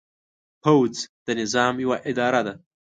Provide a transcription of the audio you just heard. پوځ د نظام یوه اداره ده.